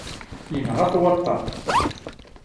Yenɣa-t waṭṭan.